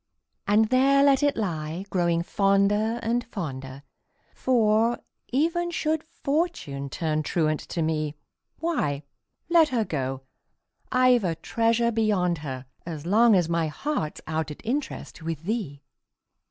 And there let it lie, growing fonder and, fonder For, even should Fortune turn truant to me, Why, let her go I've a treasure beyond her, As long as my heart's out at interest With thee!